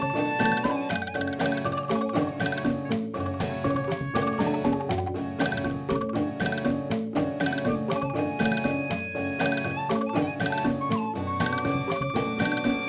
kita akan mencoba